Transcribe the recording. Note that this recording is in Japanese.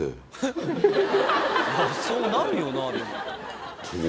そうなるよなでも。